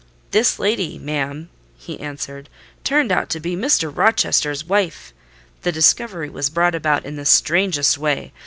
"This lady, ma'am," he answered, "turned out to be Mr. Rochester's wife! The discovery was brought about in the strangest way.